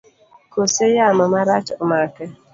Kose yamo marach omake?